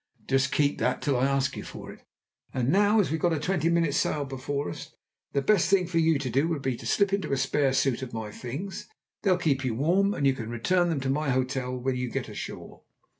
"Just keep that till I ask you for it; and now, as we've got a twenty minutes' sail before us, the best thing for you to do would be to slip into a spare suit of my things. They'll keep you warm, and you can return them to my hotel when you get ashore."